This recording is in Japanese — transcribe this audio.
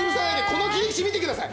この切り口見てください！